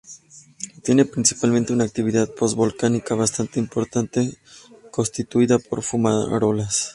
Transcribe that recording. Tiene principalmente una actividad post-volcánica bastante importante constituida por fumarolas.